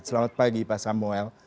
selamat pagi pak samuel